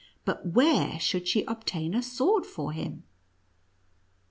But where should she obtain a sword for him